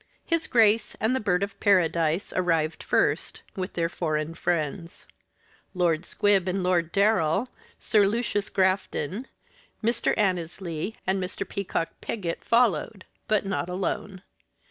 His Grace and the Bird of Paradise arrived first, with their foreign friends. Lord Squib and Lord Darrell, Sir Lucius Grafton, Mr. Annesley, and Mr. Peacock Piggott followed, but not alone.